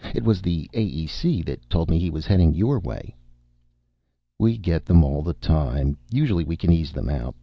It was the AEC that told me he was heading your way." "We get them all the time. Usually we can ease them out.